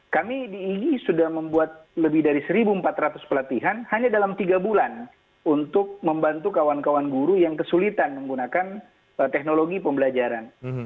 kami di igi sudah membuat lebih dari satu empat ratus pelatihan hanya dalam tiga bulan untuk membantu kawan kawan guru yang kesulitan menggunakan teknologi pembelajaran